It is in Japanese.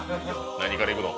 何からいくの？